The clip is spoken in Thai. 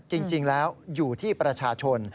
จริงแล้วอยู่ที่ประชาชน